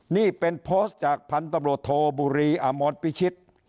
นี่เป็นโพสต์จากพันธบทบุรีอมรปิชิต